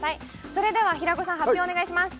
それでは平子さん発表お願いします